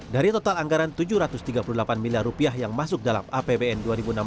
dari total anggaran rp tujuh ratus tiga puluh delapan miliar yang masuk dalam apbn dua ribu enam belas